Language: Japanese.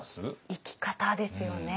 生き方ですよね。